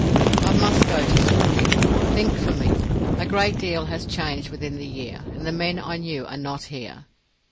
"I must go to Suakin. Think for me. A great deal has changed within the year, and the men I knew are not here.